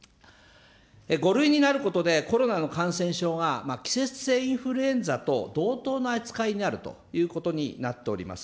５類になることで、コロナの感染症が季節性インフルエンザと同等の扱いになるということになっております。